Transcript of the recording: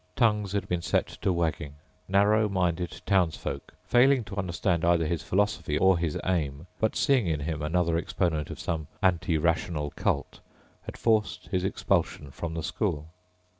Tongues had been set to wagging. Narrow minded townsfolk, failing to understand either his philosophy or his aim, but seeing in him another exponent of some anti rational cult, had forced his expulsion from the school.